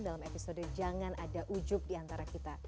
dalam episode jangan ada ujub diantara kita